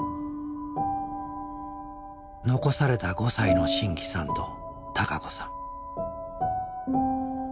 残された５歳の真気さんと孝子さん。